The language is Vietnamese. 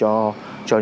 cho những cái tình trạng